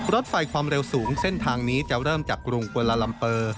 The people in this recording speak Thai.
รถไฟความเร็วสูงเส้นทางนี้จะเริ่มจากกรุงกวนลาลัมเปอร์